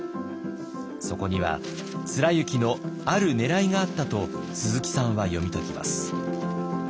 そこには貫之のあるねらいがあったと鈴木さんは読み解きます。